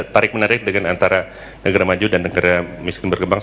tarik menarik dengan antara negara maju dan negara miskin berkembang